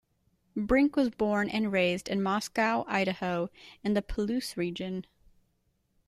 Brink was born and raised in Moscow, Idaho, in the Palouse region.